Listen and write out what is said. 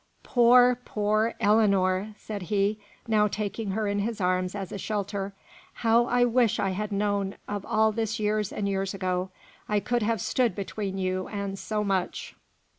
"Poor, poor Ellinor!" said he, now taking her in his arms as a shelter. "How I wish I had known of all this years and years ago: I could have stood between you and so much!"